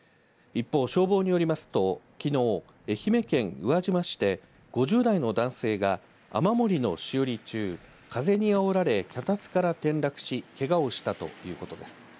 一方、消防によりますときのう、愛媛県宇和島市で５０代の男性が雨漏りの修理中風にあおられ脚立から転落しけがをしたということです。